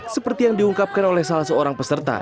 seperti yang diungkapkan oleh salah seorang peserta